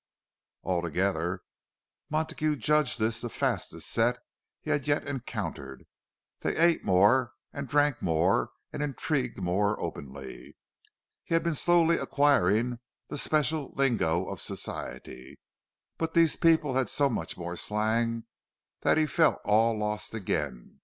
All together, Montague judged this the "fastest" set he had yet encountered; they ate more and drank more and intrigued more openly. He had been slowly acquiring the special lingo of Society, but these people had so much more slang that he felt all lost again.